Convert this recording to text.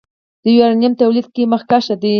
د یورانیم تولید کې مخکښ دی.